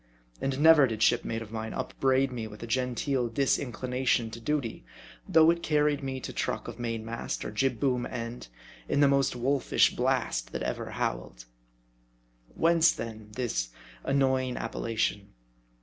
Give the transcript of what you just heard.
And never did shipmate of mine upbraid me with a genteel disinclination to duty, though it carried me to truck of main mast, or jib boom end, in the most wolfish blast that ever howled. Whence then, this annoying appellation